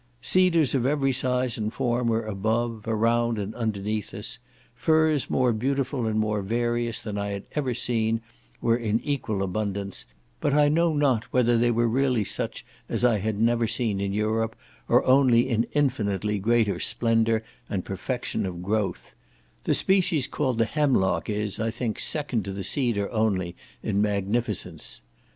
Cedars of every size and form were above, around, and underneath us; firs more beautiful and more various than I had ever seen, were in equal abundance, but I know not whether they were really such as I had never seen in Europe, or only in infinitely greater splendour and perfection of growth; the species called the hemlock is, I think, second to the cedar only, in magnificence.